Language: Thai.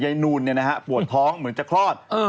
ยายนูนเนี่ยนะคะปวดท้องเหมือนจะครอด